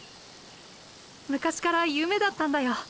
昔から夢だったんだよボク。